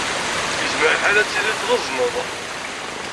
Yezmer lḥal ad tilid tɣeẓned.